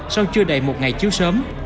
sau chưa đầy một ngày chiếu sớm